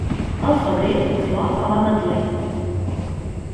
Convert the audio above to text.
Al febrer, flor a l'ametler.